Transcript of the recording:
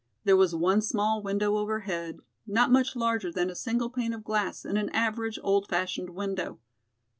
There was one small window overhead, not much larger than a single pane of glass in an average old fashioned window.